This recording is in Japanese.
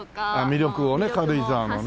魅力をね軽井沢のね。